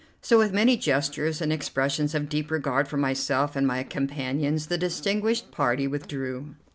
So, with many gestures and expressions of deep regard for myself and my companions, the distinguished party withdrew.